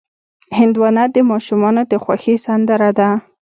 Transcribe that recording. هندوانه د ماشومانو د خوښې سندره ده.